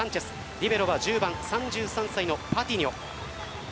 リベロは１０番３３歳のパティニョ。